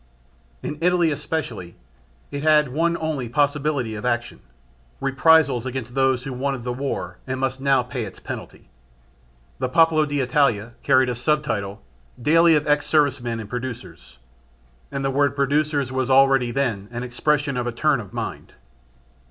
In Italy especially, it had one only possibility of action: reprisals against those who had wanted the War and must now pay its penalty. The Popolo d'Italia carried as sub title "daily of ex service men and producers," and the word producers was already then the expression of a turn of mind.